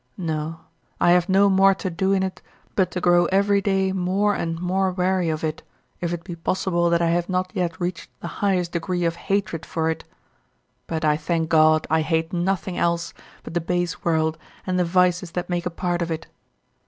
No, I have no more to do in't but to grow every day more and more weary of it, if it be possible that I have not yet reached the highest degree of hatred for it. But I thank God I hate nothing else but the base world, and the vices that make a part of it.